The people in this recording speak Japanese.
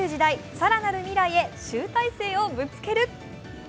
更なる未来へ、集大成をぶつける。